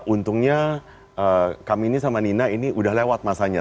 untungnya kami ini sama nina ini udah lewat masanya